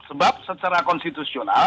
sebab secara konstitusional